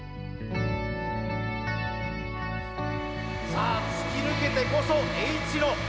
さあ突き抜けてこそＨ野。